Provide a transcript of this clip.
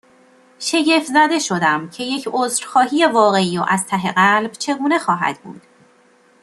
شگفت زده شدم، که یک عذرخواهی واقعی و از ته قلب چگونه خواهد بود؟